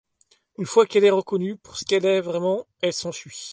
Une fois qu’elle est reconnue pour ce qu’elle est vraiment, elle s’enfuit.